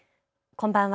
こんばんは。